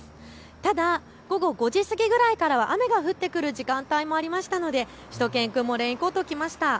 ただ午後５時過ぎぐらいからは雨が降ってくる時間帯もありましたのでしゅと犬くんもレインコートを着ました。